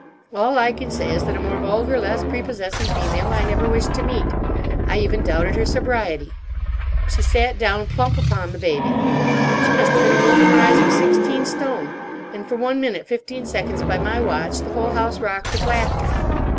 All I can say is that a more vulgar, less prepossessing female I never wish to meet. I even doubted her sobriety. She sat down plump upon the baby. She must have been a woman rising sixteen stone, and for one minute fifteen seconds by my watch the whole house rocked with laughter.